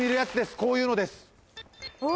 こういうのですうわ